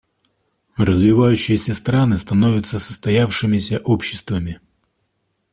Развивающиеся страны становятся состоявшимися обществами.